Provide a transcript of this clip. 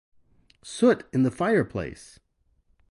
Soot in the fireplace!